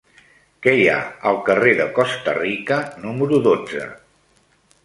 Què hi ha al carrer de Costa Rica número dotze?